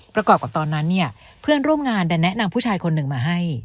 ประกอบกับตอนนั้นเนี่ยเพื่อนร่วมงานแนะแนะผู้ชายคนหนึ่งมาให้